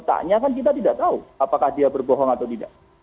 faktanya kan kita tidak tahu apakah dia berbohong atau tidak